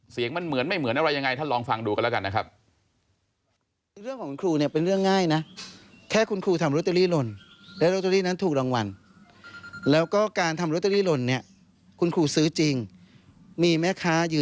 เสียงมันเหมือนไม่เหมือนอะไรยังไงท่านลองฟังดูกันแล้วกันนะครับ